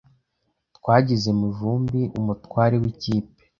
Twagize Mivumbi umutware wikipe.